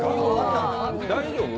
大丈夫？